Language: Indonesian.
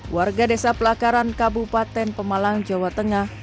warga desa pelakaran kabupaten pemalang jawa tengah